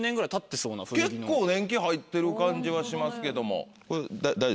結構年季入ってる感じがしますけども。